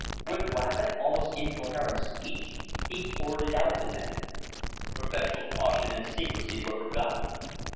With rapid, almost incoherent speech he poured it out to them. Professional caution and secrecy were forgotten.